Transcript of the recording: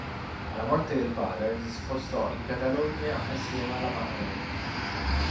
Alla morte del padre, si spostò in Catalogna assieme alla madre.